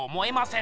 ん？